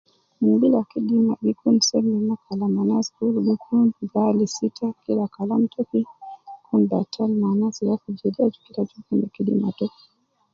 Mulila kidima gi kun seme ma kalam anas kul gi kun fi alis ita kila kalam taki kun batal ne anas ya fi jede aju keta gi kun kidima taki